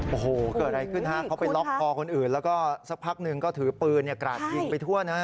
โอ้โหเกิดอะไรขึ้นฮะเขาไปล็อกคอคนอื่นแล้วก็สักพักหนึ่งก็ถือปืนกราดยิงไปทั่วนะ